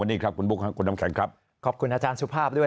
นี่ครับคุณบุ๊คครับคุณน้ำแข็งครับขอบคุณอาจารย์สุภาพด้วย